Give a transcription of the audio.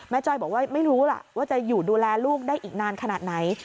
จ้อยบอกว่าไม่รู้ล่ะว่าจะอยู่ดูแลลูกได้อีกนานขนาดไหน